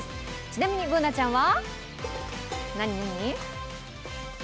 ちなにＢｏｏｎａちゃんは？